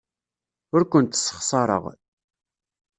Ur kent-ssexṣareɣ.